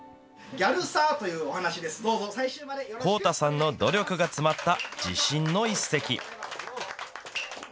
幸太さんの努力が詰まった、自信の一席。